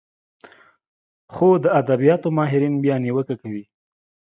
خو د ادبياتو ماهرين بيا نيوکه کوي